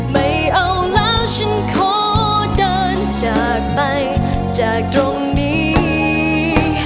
ไม่เอาแล้วฉันขอเดินจากไปจากตรงนี้